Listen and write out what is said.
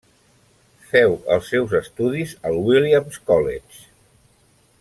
Féu els seus estudis al Williams College.